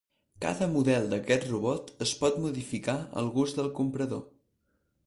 Cada model d'aquest robot es pot modificar al gust del comprador.